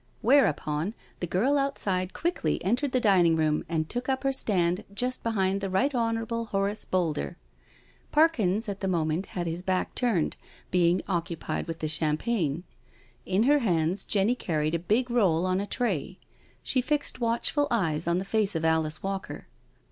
Whereupon the girl outside quickly entered the dining room and took up her stand just behind the Right Hon. Horace Boulder. Parkins at the moment had his back turned, being occupied with the cham pagne. In her hands Jenny carried a big roll on a tray. She fixed watchful eyes on the face of Alice Walker.